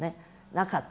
なかった。